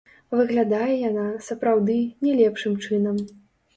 Выглядае яна, сапраўды, не лепшым чынам.